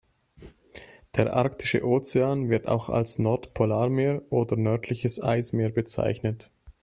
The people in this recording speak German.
Der Arktische Ozean, wird auch als Nordpolarmeer oder nördliches Eismeer bezeichnet.